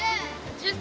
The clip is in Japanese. １０歳。